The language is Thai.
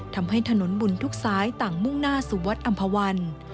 ทำให้ถนนบุญทุกซ้ายต่างมุ่งหน้าสู่วัดอำภาวัน